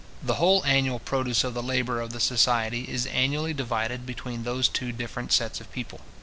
The whole annual produce of the labour of the society is annually divided between those two different sets of people.